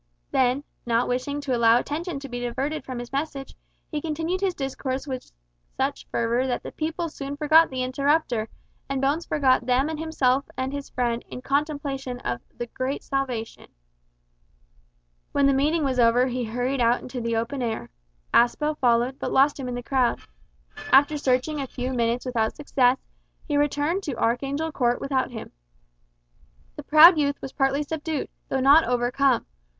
Then, not wishing to allow attention to be diverted from his message, he continued his discourse with such fervour that the people soon forgot the interrupter, and Bones forgot them and himself and his friend, in contemplation of the "Great Salvation." When the meeting was over he hurried out into the open air. Aspel followed, but lost him in the crowd. After searching a few minutes without success, he returned to Archangel Court without him. The proud youth was partly subdued, though not overcome.